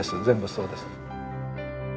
全部そうです。